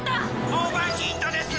オーバーヒートです。